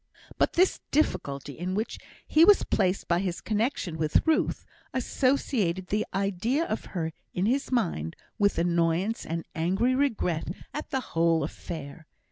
But this difficulty in which he was placed by his connexion with Ruth, associated the idea of her in his mind with annoyance and angry regret at the whole affair.